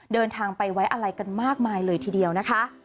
เดินทางไปไว้อะไรกันมากมายเลยทีเดียวนะคะ